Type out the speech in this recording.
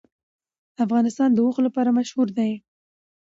افغانستان د اوښ لپاره مشهور دی.